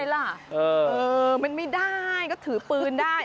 ล่ะมันไม่ได้ก็ถือปืนได้